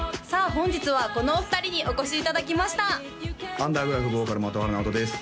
本日はこのお二人にお越しいただきましたアンダーグラフボーカル真戸原直人です